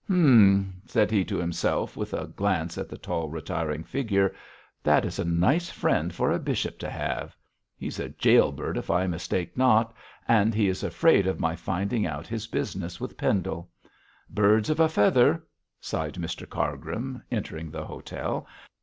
'Hum!' said he to himself, with a glance at the tall retiring figure, 'that is a nice friend for a bishop to have. He's a jail bird if I mistake not; and he is afraid of my finding out his business with Pendle. Birds of a feather,' sighed Mr Cargrim, entering the hotel.